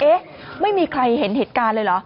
เอ๊ะไม่มีใครเห็นเหตุการณ์เลยเหรอ